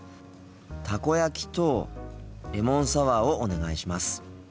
たこ焼きとレモンサワーをお願いします。